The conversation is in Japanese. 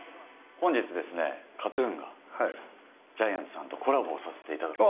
本日ですね、ＫＡＴーＴＵＮが、ジャイアンツさんとコラボさせていただく。